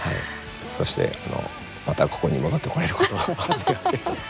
そしてまた、ここに戻ってこれることを願っています。